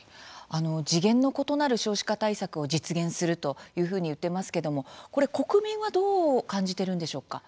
次元の異なる少子化対策を実現するというふうに言っていますけどもこれ国民はどう感じてるんでしょうか。